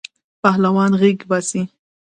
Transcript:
پهلوان غیږ باسی.